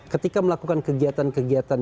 ketika melakukan kegiatan kegiatan